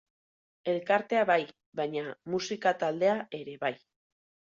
Elkartea bai, baina musika taldea ere bai.